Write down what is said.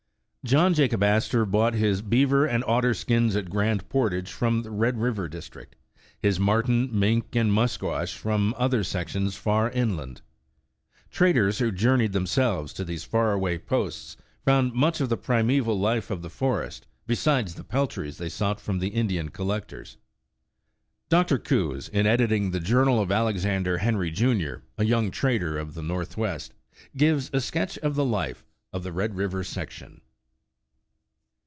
John Jacob Astor bought his beaver and otter skins at Grand Portage from the Red River district, his mar ten, mink and musquash from other sections far inland. Traders who journeyed themselves to these far away posts found much of the primeval life of the forest, be 102 Traversing the Wilderness side the peltries they sought from Indian collectors. Dr. Coues, in editing the journel of Alexander Henry, Jr., a young trader of the Northwest, gives a sketch of the life of the Red River section.